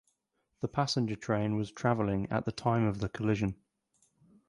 The passenger train was travelling at at the time of the collision.